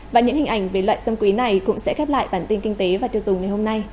và những hình ảnh về loại xâm quý này cũng sẽ khép lại bản tin kinh tế và tiêu dùng ngày hôm nay